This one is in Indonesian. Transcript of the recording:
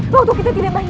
lalu kita tidak banyak